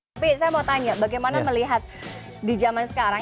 tapi saya mau tanya bagaimana melihat di zaman sekarang